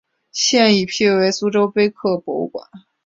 现已辟为苏州碑刻博物馆。